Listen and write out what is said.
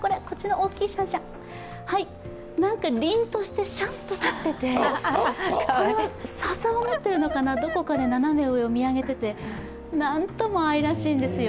なんか、りんとして、シャンと立っていて、これはささを持っているのかな、どこかで斜め上を見上げていて、なんとも愛らしいんですよ。